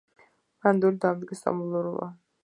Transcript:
მან ნამდვილად დაამტკიცა სტაბილურობა.